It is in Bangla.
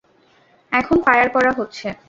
এখন ফায়ার করা হচ্ছে!